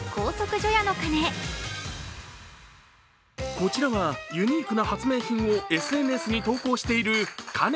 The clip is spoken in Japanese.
こちらは、ユニークな発明品をＳＮＳに投稿しているかね